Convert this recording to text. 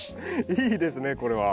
いいですねこれは。